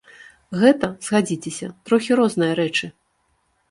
Гэта, згадзіцеся, трохі розныя рэчы.